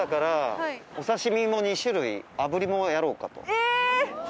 え！